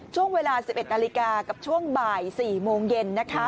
ช่วงเวลา๑๑นาฬิกากับช่วงบ่าย๔โมงเย็น